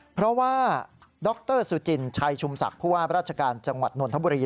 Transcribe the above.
เพราะว่าดรสุจินชัยชุมศักดิ์ผู้ว่าราชการจังหวัดนนทบุรี